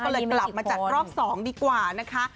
ก็เลยกลับมาจัดรอบ๒ดีกว่านะคะ